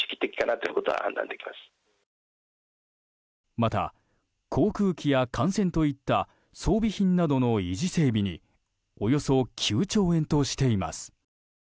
また、航空機や艦船といった装備品などの維持整備におよそ９兆円としています。